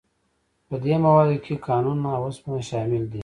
په دې موادو کې کانونه او اوسپنه شامل دي.